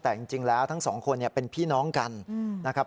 แต่จริงแล้วทั้งสองคนเป็นพี่น้องกันนะครับ